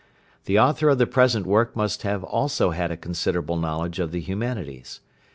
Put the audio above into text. The author of the present work must also have had a considerable knowledge of the humanities.